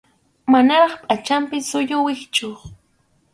Manaraq pachanpi sullu wischʼuy.